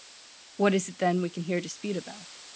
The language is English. What is it then we can here dispute about?